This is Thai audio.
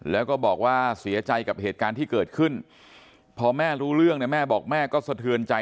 แล้วก็บอกว่าเสียใจกับเหตุการณ์ที่เกิดขึ้นพอแม่รู้เรื่องเนี่ยแม่บอกแม่ก็สะเทือนใจ